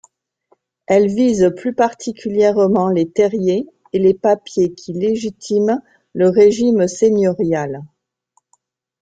Elle vise plus particulièrement les terriers et les papiers qui légitiment le régime seigneurial.